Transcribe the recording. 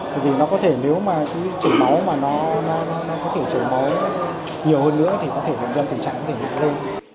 bởi vì nó có thể nếu mà chảy máu mà nó có thể chảy máu nhiều hơn nữa thì có thể dân tỉ trạng có thể hạ lên